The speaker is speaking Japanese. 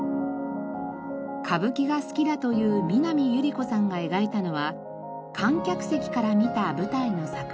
歌舞伎が好きだという南裕里子さんが描いたのは観客席から見た舞台の桜。